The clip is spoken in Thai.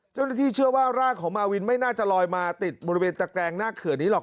เจ้าหน้าที่เชื่อว่าร่างของมาวินไม่น่าจะลอยมาติดบริเวณตะแกรงหน้าเขื่อนนี้หรอก